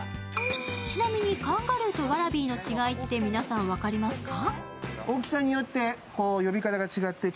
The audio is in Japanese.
ちなみに、カンガルーとワラビーの違いって皆さん分かりますか？